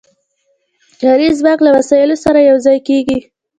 کاري ځواک له وسایلو سره یو ځای کېږي